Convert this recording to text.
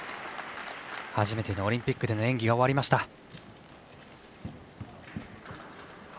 初めてのオリンピックでの演技が終わりました。